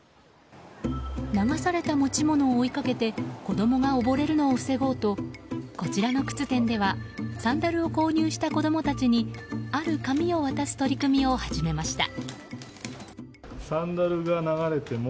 流された持ち物を追いかけて子供が溺れるのを防ごうとこちらの靴店ではサンダルを購入した子供たちにある紙を渡す取り組みを始めました。